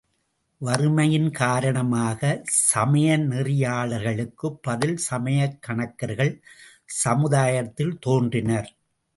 வாயினமையின் காரணமாகச் சமயநெறியாளர்களுக்குப் பதில் சமயக் கணக்கர்கள் சமுதாயத்தில் தோன்றினர்.